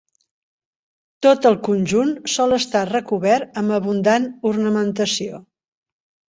Tot el conjunt sol estar recobert amb abundant ornamentació.